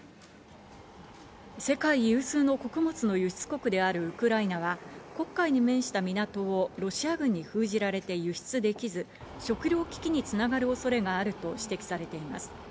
世界有数の穀物の輸出国であるウクライナは、黒海に面した港をロシア軍に封じられて輸出できず、食糧危機に繋がる恐れがあると指摘されています。